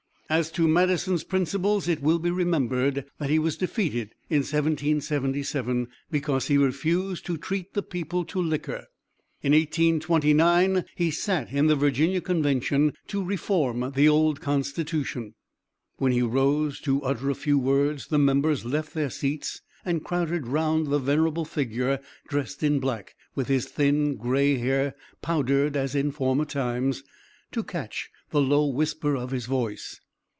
As to Madison's principles, it will be remembered that he was defeated in 1777, because he refused to treat the people to liquor. In 1829 he sat in the Virginia Convention to reform the old constitution. When he rose to utter a few words the members left their seats and crowded around the venerable figure dressed in black, with his thin gray hair powdered as in former times, to catch the low whisper of his voice.